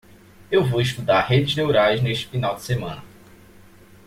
Eu vou estudar redes neurais neste final de semana.